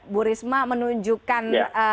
bu risma menunjukkan